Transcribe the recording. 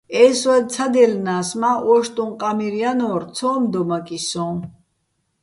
ე́ჲსვაჼ ცადჲელნა́ს, მა́ ო́შტუჼ ყამირ ჲანო́რ, ცო́მ დომაკიჼ სოჼ.